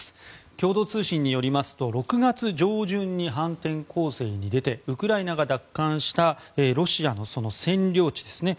共同通信によりますと６月上旬に反転攻勢に出てウクライナが奪還したロシアのその占領地ですね